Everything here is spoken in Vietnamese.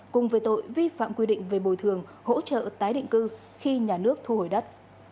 cùng với tội vi phạm quy định về bồi thường hỗ trợ tái định cư khi nhà nước thu hồi đất